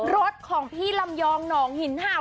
รถของพี่ลำยองหนองหินเห่า